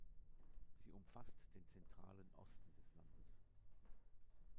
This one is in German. Sie umfasst den zentralen Osten des Landes.